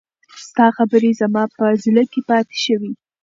ستا خبرې زما په زړه کې پاتې شوې.